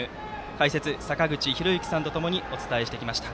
解説、坂口裕之さんとともにお伝えしてきました。